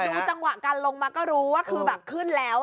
ดูจังหวะการลงมาก็รู้ว่าคือแบบขึ้นแล้ว